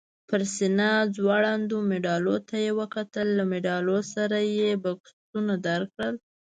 پر سینه ځوړندو مډالونو ته یې وکتل، له مډالونو سره یې بکسونه درکړل؟